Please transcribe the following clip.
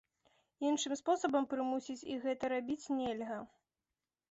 Іншым спосабам прымусіць іх гэта рабіць нельга.